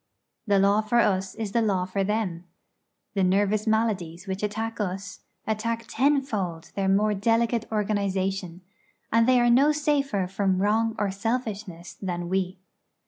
The law for us is the law for them. The nervous maladies which attack us, attack tenfold their more delicate organisation; and they are no safer from wrong or selfishness than we.